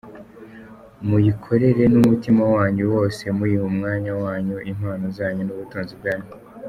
Muyikorere n’umutima wanyu wose, muyiha umwanya wanyu, impano zanyu n’ubutunzi bwanyu.